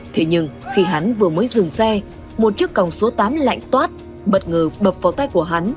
thế nhưng khi hắn vừa mới dừng xe một chiếc còng số tám lạnh toát bất ngờ bập vào tay của hắn